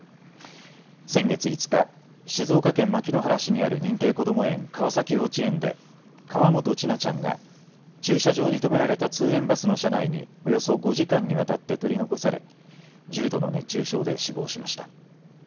先月５日、静岡県牧之原市にある認定こども園、川崎幼稚園で河本千奈ちゃんが駐車場に止められた通園バスの車内におよそ５時間にわたって取り残され、重度の熱中症で死亡しました。